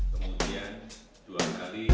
kemudian dua kali